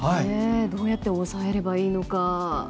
どうやって抑えればいいのか。